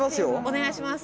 お願いします。